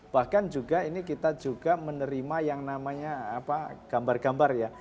bahkan juga ini kita juga menerima yang namanya gambar gambar ya